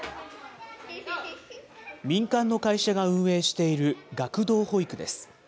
民間の会社が運営している学童保育です。